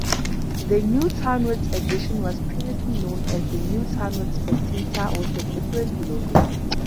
The Newtownards edition was previously known as the "Newtownards Spectator" with a different logo.